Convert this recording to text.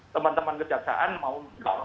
teman teman kejaksaan mau